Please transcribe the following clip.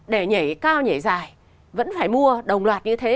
đồng loạt như thế